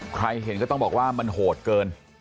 ใครเห็นก็ต้องบอกว่ามันโหดเกิน